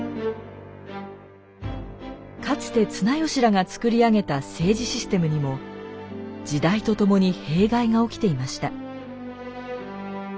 かつて綱吉らが作り上げた政治システムにも時代とともに弊害が起きていました。